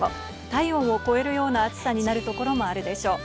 体温を超えるような暑さになるところもあるでしょう。